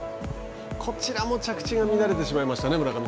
こちらも着地が乱れてしまいまし